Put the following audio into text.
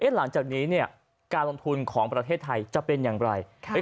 หลังจากนี้การลงทุนของประเทศไทยจะเป็นอย่างไร